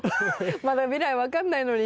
まだ未来分かんないのに。